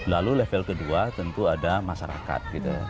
lalu level kedua tentu ada masyarakat